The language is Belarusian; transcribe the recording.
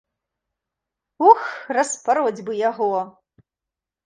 Ух, распароць бы яго!